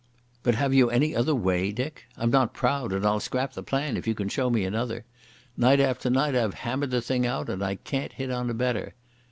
But have you any other way, Dick? I'm not proud, and I'll scrap the plan if you can show me another.... Night after night I've hammered the thing out, and I can't hit on a better....